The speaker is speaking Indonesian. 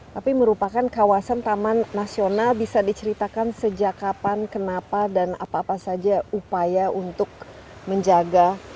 tapi merupakan kawasan taman nasional bisa diceritakan sejak kapan kenapa dan apa apa saja upaya untuk menjaga